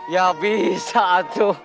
ya bisa atu